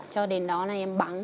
cho đến đó là em bắn